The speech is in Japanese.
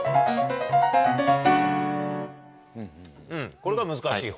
これが難しい方。